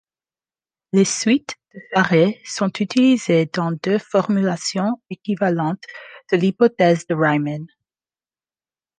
Les suites de Farey sont utilisées dans deux formulations équivalentes de l'hypothèse de Riemann.